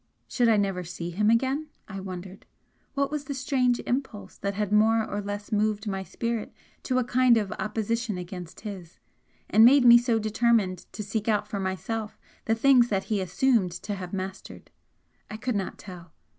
Should I never see him again, I wondered? What was the strange impulse that had more or less moved my spirit to a kind of opposition against his, and made me so determined to seek out for myself the things that he assumed to have mastered? I could not tell.